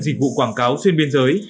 dịch vụ quảng cáo xuyên biên giới